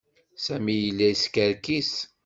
Sami yella yeskerkis.